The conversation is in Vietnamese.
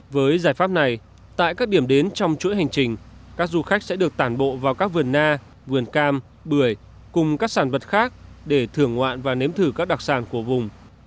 với giải pháp này tại các điểm đến trong chuỗi hành trình các du khách sẽ được tản bộ vào các vườn na vườn cam bưởi cùng các sản vật khác để thưởng ngoạn và nếm thử các đặc sản của vùng